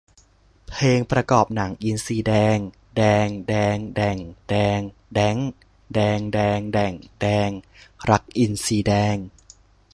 เพลงประกอบหนัง : อินทรีแดง แดง แดง แด่ง แดง แด๊ง แดง แดง แด่ง แดง รักอินทรีแดง